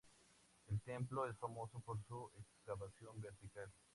El templo es famoso por su excavación vertical.